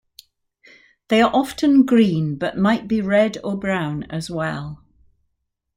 They are often green, but might be red or brown, as well.